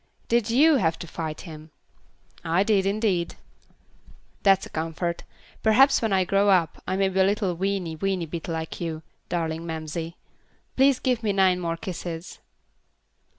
"Did you have to fight him?" "I did, indeed." "That's a comfort. Perhaps when I grow up, I may be a little weeny, weeny bit like you, darling mamsey. Please give me nine more kisses."